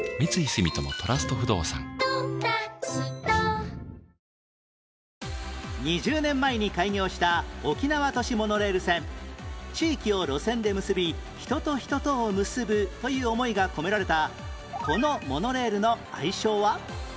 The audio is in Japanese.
ぷはーっ２０年前に開業した沖縄都市モノレール線地域を路線で結び人と人とを結ぶという思いが込められたこのモノレールの愛称は？